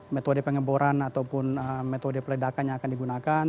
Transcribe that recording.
metode pengeboran ataupun metode peledakan yang akan digunakan